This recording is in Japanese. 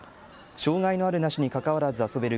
障害のあるなしにかかわらず遊べる